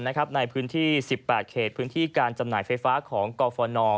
ในพื้นที่๑๘เขตพื้นที่การจำหน่ายไฟฟ้าของกฟน